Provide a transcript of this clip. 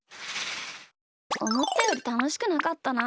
おもったよりたのしくなかったな。